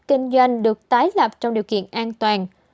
kinh doanh được tái lập trong điều kiện an toàn